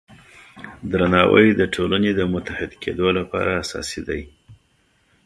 درناوی د ټولنې د متحد کیدو لپاره اساسي دی.